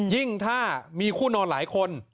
ยิ่งถ้ามีคู่นอนหลายคน